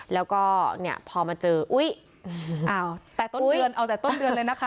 แล้วก็เนี่ยพอมาเจออุ้ยอ้าวแต่ต้นเดือนเอาแต่ต้นเดือนเลยนะคะ